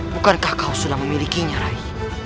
bukankah kau sudah memilikinya rai